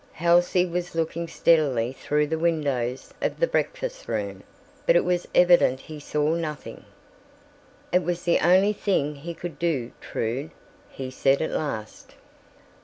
Halsey was looking steadily through the windows of the breakfast room, but it was evident he saw nothing. "It was the only thing he could do, Trude," he said at last.